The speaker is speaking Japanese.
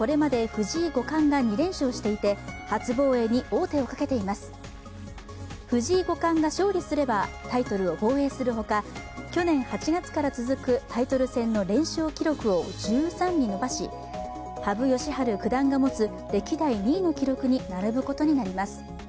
藤井五冠が勝利すればタイトルを防衛するほか去年８月から続くタイトル戦の連勝記録を１３に伸ばし羽生善治九段が持つ、歴代２位の記録に並ぶことになります。